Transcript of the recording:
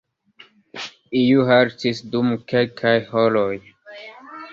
Iu haltis dum kelkaj horoj.